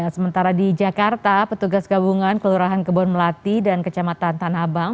sementara di jakarta petugas gabungan kelurahan kebon melati dan kecamatan tanah abang